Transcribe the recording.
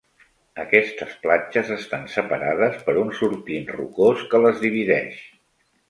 Aquestes platges estan separades per un sortint rocós que les divideix.